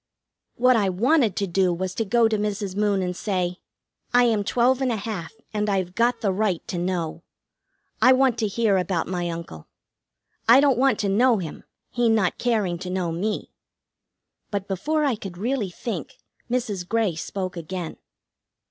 What I wanted to do was to go to Mrs. Moon and say: "I am twelve and a half, and I've got the right to know. I want to hear about my uncle. I don't want to know him, he not caring to know me." But before I could really think Mrs. Grey spoke again.